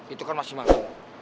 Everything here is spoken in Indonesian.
itu kan masih masa